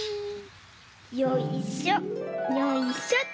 よいしょよいしょ。